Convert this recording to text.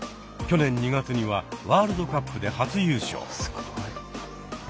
去年２月にはワールドカップで初優勝。